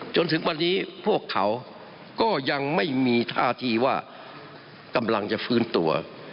จนถึงวันนี้พวกเขาก็ยังไม่มีท่าทีว่ากำลังจะฟื้นตัว